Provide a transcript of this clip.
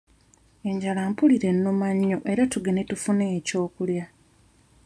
Enjala mpulira ennuma nnyo era tugende tufune ekyokulya.